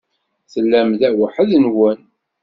Tellam da weḥd-nwen?